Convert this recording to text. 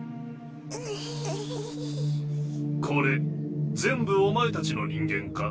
これ全部おまえたちの人間か？